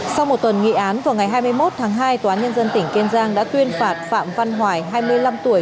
sau một tuần nghị án vào ngày hai mươi một tháng hai tòa án nhân dân tỉnh kiên giang đã tuyên phạt phạm văn hoài hai mươi năm tuổi